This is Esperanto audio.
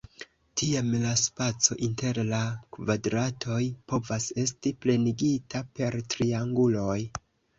Tiam la spaco inter la kvadratoj povas esti plenigita per trianguloj.